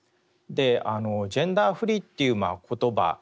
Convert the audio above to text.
「ジェンダーフリー」っていう言葉